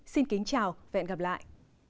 xin kính chào và hẹn gặp lại